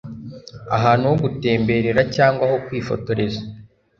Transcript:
ahantu ho gutemberera cyangwa ho kwifotoreza